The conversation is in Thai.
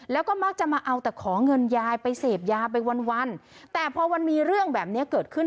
แล้วก็มักจะมาเอาแต่ขอเงินยายไปเสพยาไปวันวันแต่พอมันมีเรื่องแบบนี้เกิดขึ้น